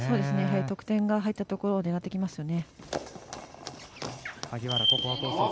得点が入ったところを狙ってきますよね。